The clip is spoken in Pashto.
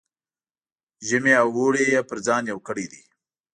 ژمی او اوړی یې پر ځان یو کړی دی.